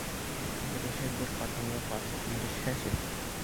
Береһе-бер ҡатынға ҡаршы өндәшһәсе!